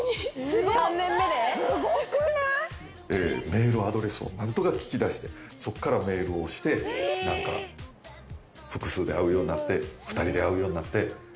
メールアドレスを何とか聞き出してそっからメールをして複数で会うようになって２人で会うようになって。